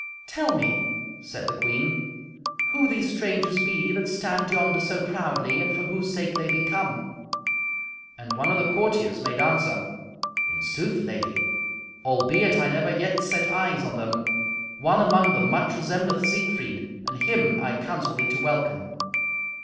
"Tell me," said the queen, "who these strangers be that stand yonder so proudly, and for whose sake they be come." And one of the courtiers made answer. "In sooth, Lady, albeit I never yet set eyes on them, one among them much resembleth Siegfried, and him I counsel thee to welcome.